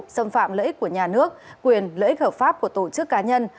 xâm phạm lợi ích của nhà nước quyền lợi ích hợp pháp của tổ chức cá nhân